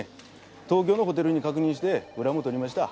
東京のホテルに確認して裏も取りました。